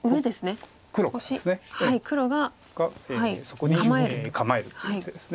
そこに構えるという手です。